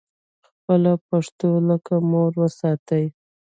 خپله پښتو لکه مور وساتئ